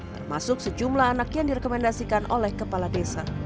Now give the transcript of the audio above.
termasuk sejumlah anak yang direkomendasikan oleh kepala desa